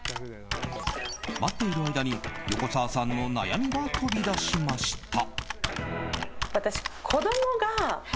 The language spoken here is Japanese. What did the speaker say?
待っている間に横澤さんの悩みが飛び出しました。